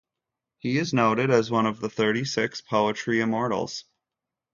He is noted as one of the Thirty-six Poetry Immortals.